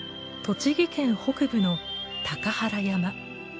栃木県北部の「高原山」。